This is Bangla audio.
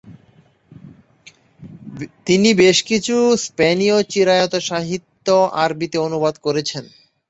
তিনি বেশকিছু স্পেনীয় চিরায়ত সাহিত্য আরবিতে অনুবাদ করেছেন।